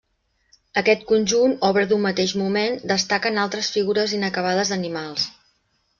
Aquest conjunt, obra d'un mateix moment, destaquen altres figures inacabades d'animals.